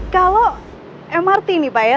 kalau mrt nih pak ya